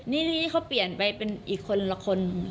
นี่เขาเปลี่ยนไปเป็นอีกคนละคน